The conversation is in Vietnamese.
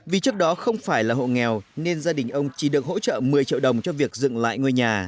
vì trước đó không phải là hộ nghèo nên gia đình ông chỉ được hỗ trợ một mươi triệu đồng cho việc dựng lại ngôi nhà